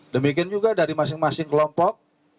demikian juga dari masing masing kelompok